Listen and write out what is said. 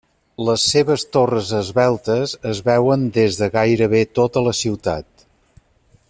Les seves torres esveltes es veuen des de gairebé tota la ciutat.